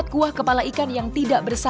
aku hampir di habis